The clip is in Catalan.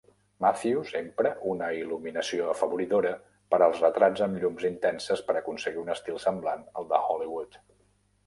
Matthews empra una il·luminació afavoridora per als retrats amb llums intenses per aconseguir un estil semblant al de Hollywood.